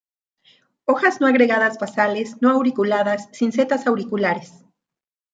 Hojas no agregadas basales; no auriculadas; sin setas auriculares.